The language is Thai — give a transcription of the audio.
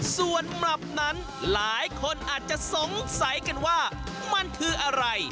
ส่วนมลับนั้นหลายคนอาจจะสงสัยกันว่ามันคืออะไร